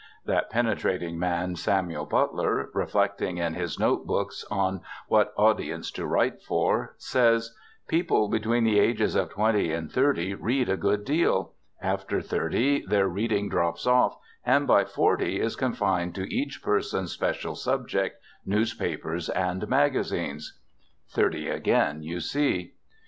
That penetrating man, Samuel Butler, reflecting in his "Note Books" on "What Audience to Write For," says: "People between the ages of twenty and thirty read a good deal, after thirty their reading drops off and by forty is confined to each person's special subject, newspapers and magazines." Thirty again, you see.